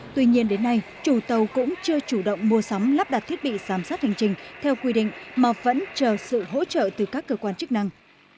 tuy nhiên đến nay chủ tàu cũng chưa chủ động mua sắm lắp đặt thiết bị giám sát hành trình theo quy định mà vẫn chờ sự hỗ trợ từ các cơ quan chức năng